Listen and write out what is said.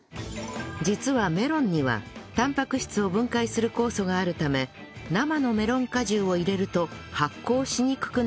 実はメロンにはたんぱく質を分解する酵素があるため生のメロン果汁を入れると発酵しにくくなるのですが